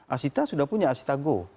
asita sudah punya asitago